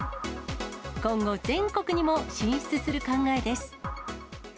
今後、全国にも進出する考えです。